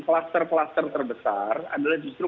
kluster kluster terbesar adalah justru